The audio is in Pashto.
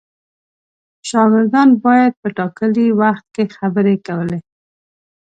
شاګردان باید په ټاکلي وخت کې خبرې کولې.